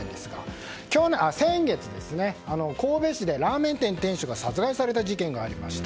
先月、神戸市でラーメン店店主が殺害された事件がありました。